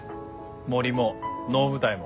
森も能舞台も。